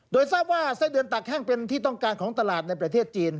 โดยทราบว่าไส้เดือนตากแห้งเป็นที่ต้องการของตลาดในประเทศจีน